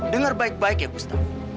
dengar baik baik ya pusta